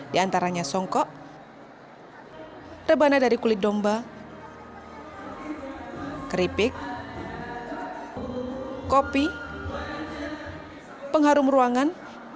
di antaranya songkok rebana dari kulit domba keripik kopi pengharum ruangan